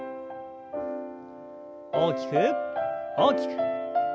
大きく大きく。